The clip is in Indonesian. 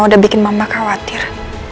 udah bikin mama khawatir